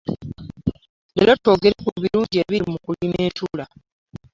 Leero twogere ku birungi ebiri mu kulima entula.